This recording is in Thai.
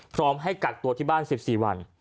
พร้อมให้กักตัวที่บ้าน๑๔วัน